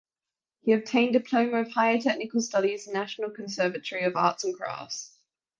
He obtained diploma of Higher Technical Studies National Conservatory of Arts and Crafts.